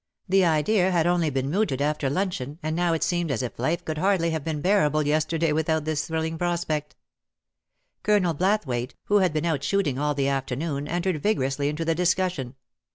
The idea had only been mooted after luncheon, and now it seemed as if life could hardly have been bearable yesterday without this thrilling prospect. Colonel Blathwayt, who had been out shooting all the afternoon, entered vigorously into the discussion.